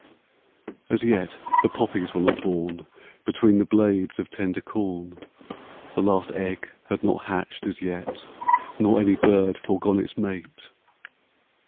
As yet the poppies were not born Between the blades of tender corn; The last egg had not hatched as yet, Nor any bird foregone its mate.